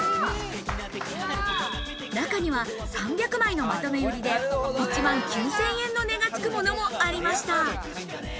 中には３００枚のまとめ売りで１万９０００円の値がつくものもありました。